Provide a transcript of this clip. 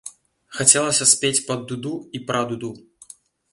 Хацелася спець пад дуду і пра дуду.